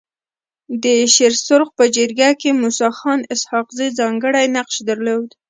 د شيرسرخ په جرګه کي موسي خان اسحق زي ځانګړی نقش درلود.